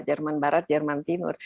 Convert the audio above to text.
jerman barat jerman timur